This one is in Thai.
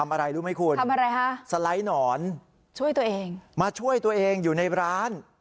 อะไรรู้ไหมคุณทำอะไรฮะสไลด์หนอนช่วยตัวเองมาช่วยตัวเองอยู่ในร้าน